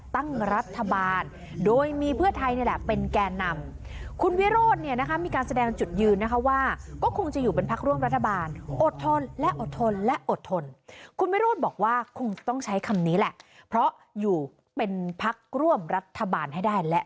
ต้องใช้คำนี้แหละเพราะอยู่เป็นพักร่วมรัฐบาลให้ได้และ